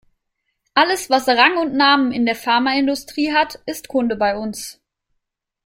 Alles, was Rang und Namen in der Pharmaindustrie hat, ist Kunde bei uns.